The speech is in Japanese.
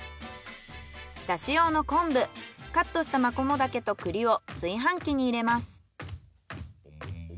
だし用の昆布カットしたマコモダケと栗を炊飯器に入れます。